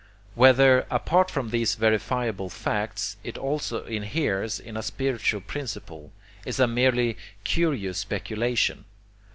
Whether, apart from these verifiable facts, it also inheres in a spiritual principle, is a merely curious speculation.